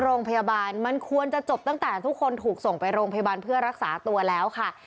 โรงพยาบาลมันควรจะจบตั้งแต่ทุกคนถูกส่งไปโรงพยาบาลเพื่อรักษาตัวแล้วค่ะ